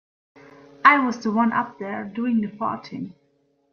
I was the one up there doing the farting.